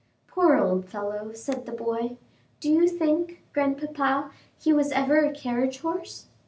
"Poor old fellow!" said the boy; "do you think, grandpapa, he was ever a carriage horse?"